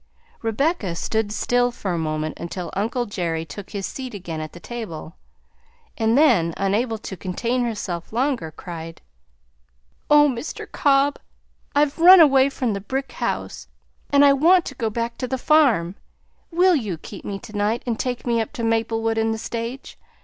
Rebecca stood still for a moment until uncle Jerry took his seat again at the table, and then, unable to contain herself longer, cried, "Oh, Mr. Cobb, I've run away from the brick house, and I want to go back to the farm. Will you keep me to night and take me up to Maplewood in the stage?